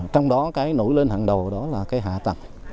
trong đó nổi lên hẳn đầu là hạ tầng